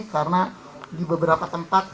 karena di beberapa tempat